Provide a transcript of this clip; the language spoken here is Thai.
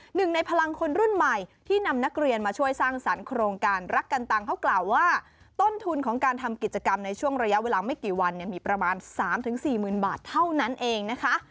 หนึ่งในพลังคนรุ่นใหม่ที่นำนักเรียนมาช่วยสร้างสรรคโครงการรักการต่าง